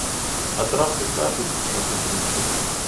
Адразу кажуць, чаго прыйшлі.